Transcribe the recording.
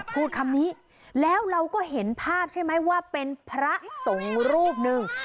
พูดคำนี้แล้วเราก็เห็นภาพใช่ไหมว่าเป็นพระสงฆ์รูปหนึ่ง